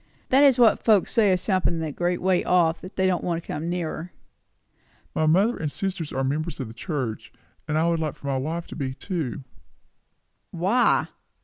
"That is what folks say of something a great way off, and that they don't want to come nearer." "My mother and sister are members of the church; and I should like my wife to be, too." "Why?"